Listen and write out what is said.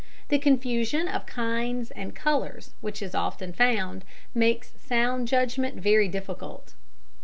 The confusion of kinds and colours which is often found makes sound judgment very difficult.